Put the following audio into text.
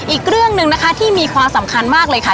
อีกเรื่องหนึ่งนะคะที่มีความสำคัญมากเลยค่ะ